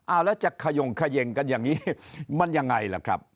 เอาแล้วจะขยงเขย่งกันอย่างนี้มันยังไงล่ะครับ